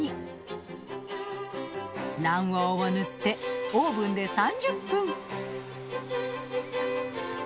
卵黄を塗ってオーブンで３０分。